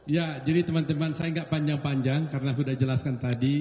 ya jadi teman teman saya nggak panjang panjang karena sudah jelaskan tadi